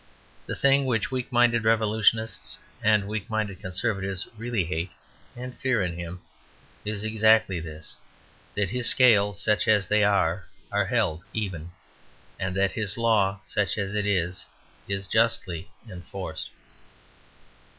The thing which weak minded revolutionists and weak minded Conservatives really hate (and fear) in him, is exactly this, that his scales, such as they are, are held even, and that his law, such as it is, is justly enforced.